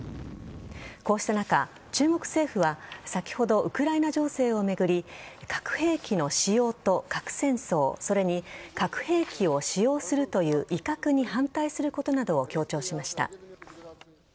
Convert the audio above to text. こうした中、中国政府は先ほど、ウクライナ情勢を巡り核兵器の使用と核戦争それに核兵器を使用するという威嚇に反対することなどを強調しました。